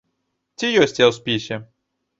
Ці ёсць я ў спісе?